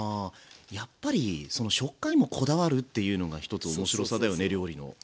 やっぱりその食感にもこだわるっていうのが一つ面白さだよね料理の。